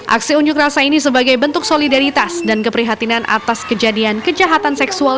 aksi unjuk rasa ini sebagai bentuk solidaritas dan keprihatinan atas kejadian kejahatan seksual